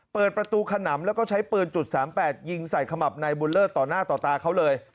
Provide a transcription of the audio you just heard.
เปิดประตูขนำแล้วก็ใช้ปืนจุด๓๘ยิงใส่ขมับนายบุญเลิศต่อหน้าต่อตาเขาเลย